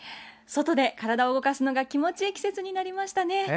外で体を動かすのが気持ちいい季節になりましたね。